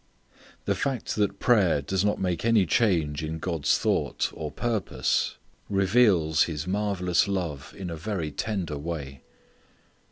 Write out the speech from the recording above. The fact that prayer does not make any change in God's thought or purpose, reveals His marvellous love in a very tender way.